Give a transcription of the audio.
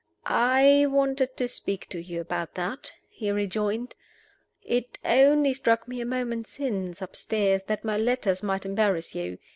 "I wanted to speak to you about that," he rejoined. "It only struck me a moment since, upstairs, that my letters might embarrass you.